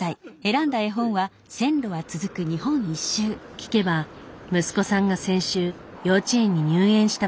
聞けば息子さんが先週幼稚園に入園したばかり。